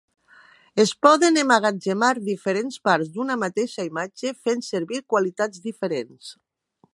Es poden emmagatzemar diferents parts d'una mateixa imatge fent servir qualitats diferents.